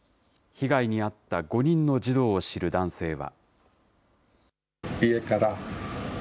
被害に遭った５人の児童を知る男性は。